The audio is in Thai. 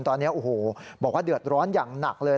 ตอนนี้โอ้โหบอกว่าเดือดร้อนอย่างหนักเลย